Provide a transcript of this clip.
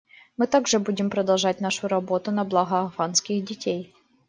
Мы также будем продолжать нашу работу на благо афганских детей.